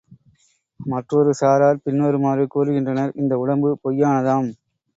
மற்றொரு சாரார் பின்வருமாறு கூறுகின்றனர் இந்த உடம்பு பொய்யானதாம்.